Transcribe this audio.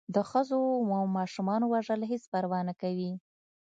د ښځو و ماشومانو وژل هېڅ پروا نه کوي.